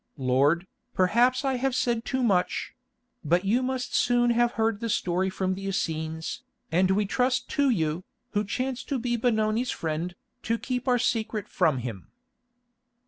Lord, perhaps I have said too much; but you must soon have heard the story from the Essenes, and we trust to you, who chance to be Benoni's friend, to keep our secret from him."